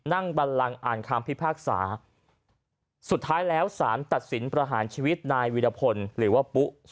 บันลังอ่านคำพิพากษาสุดท้ายแล้วสารตัดสินประหารชีวิตนายวิรพลหรือว่าปุ๊